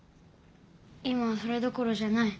今はそれどころじゃない。